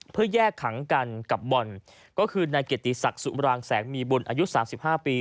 เพื่อแยกขังกันกับบอลก็คือนายเกียรติศักดิ์สุมรางแสงมีบุญอายุ๓๕ปี